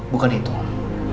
bukan itu om